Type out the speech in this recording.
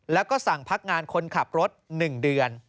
แล้วก็สั่งพักงานคนขับรถ๑เดือน